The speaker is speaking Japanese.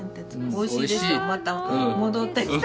おいしいでしょまた戻ってきた。